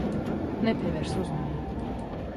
Nepievērs uzmanību.